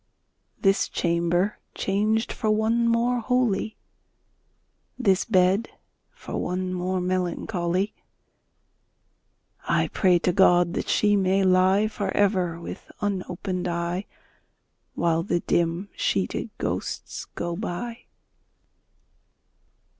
This chamber changed for one more holy, This bed for one more melancholy, I pray to God that she may lie For ever with unopened eye, While the dim sheeted ghosts go by!